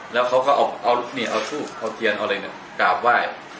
แล้วเขาก็เอาสู้เอาเตียนเอาอะไรกลับว่าย